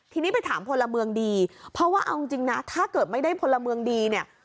ทีนี้ไปถามพลเมืองดีเพราะว่าเอาจริงนะถ้าเกิดไม่ได้พลเมืองดีเนี่ย